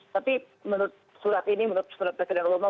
tapi menurut surat ini menurut surat presiden obama